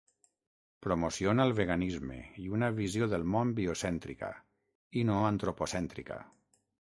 Promociona el veganisme i una visió del món biocèntrica, i no antropocèntrica.